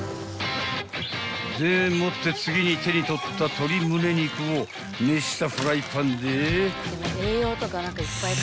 ［でもって次に手に取った鶏むね肉を熱したフライパンでジュワー］